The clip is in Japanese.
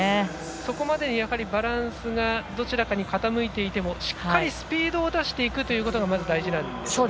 そこまでにバランスがどちらかに傾いてもしっかりスピードを出すことがまず大事なんですね。